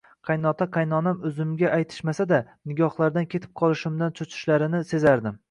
Qaynota-qaynonam o`zimga aytishmasa-da, nigohlaridan ketib qolishimdan cho`chishlarini sezardim